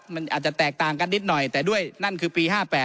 มันอาจจะแตกต่างกันนิดหน่อยแต่ด้วยนั่นคือปี๕๘